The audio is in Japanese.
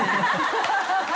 ハハハ